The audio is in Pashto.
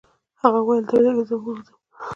هغه وویل: ته ودرېږه چې زه ور ووځم.